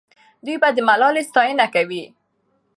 دوی به د ملالۍ ستاینه کوي.